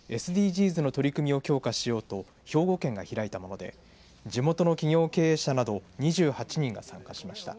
ＳＤＧｓの取り組みを強化しようと兵庫県が開いたもので地元の企業経営者など２８人が参加しました。